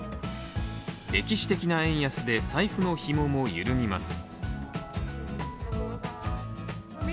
歴史的な円安で財布のひもも緩みます。